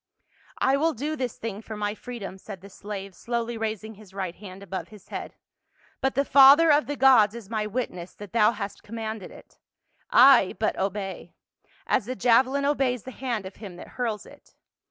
" I will do this thing for my freedom," said the slave, slowly raising his right hand above his head. " But the father of the gods is my witness that thou hast commanded it. I but obey — as the javelin obeys the hand of him that hurls it."